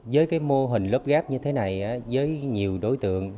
với cái mô hình lớp ghép như thế này với nhiều đối tượng